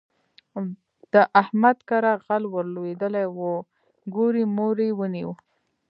د احمد کره غل ور لوېدلی وو؛ ګوری موری يې ونيو.